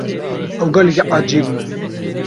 Ew gelekî ecêb bû.